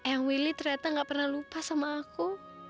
yang willy ternyata gak pernah lupa sama aku